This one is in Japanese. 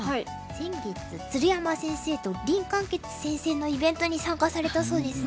先月鶴山先生と林漢傑先生のイベントに参加されたそうですね。